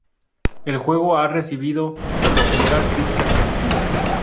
El juego ha recibido por lo general críticas positivas.